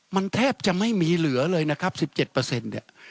มันแทบจะไม่มีเหลือเลยนะครับ๑๗เนี่ย